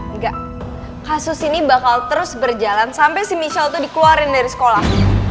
enggak kasus ini bakal terus berjalan sampai si michel itu dikeluarin dari sekolah